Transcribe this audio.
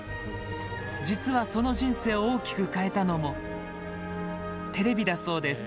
実はその人生を大きく変えたのもテレビだそうです。